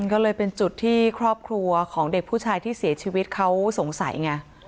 ก็เลยเป็นจุดที่ครอบครัวของเด็กผู้ชายที่เสียชีวิตเขาสงสัยไง